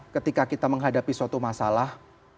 ketika kita menghadapi suatu masalah